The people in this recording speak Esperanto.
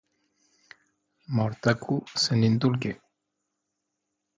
Morthaku senindulge!